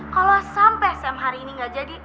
kalau sampe sam hari ini gak jadi